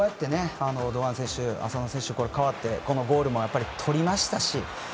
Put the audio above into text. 堂安選手浅野選手が代わってこのゴールもとりましたし